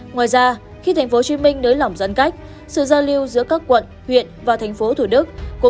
ngoài ra khi tp hcm nới lỏng giãn cách sự giao lưu giữa các quận huyện và tp thủ đức